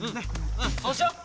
うんそうしよう。